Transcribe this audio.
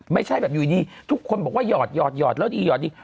ไม่ใช่แบบอยู่ดีทุกคนบอกว่าหยอดแล้วดีหอดดี